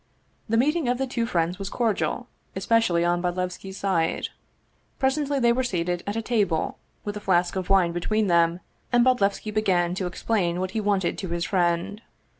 The meeting of the two friends was cordial, especially on Bodlevski's side. Pres ently they were seated at a table, with a flask of wine be tween them, and Bodlevski began to explain what he wanted to his friend.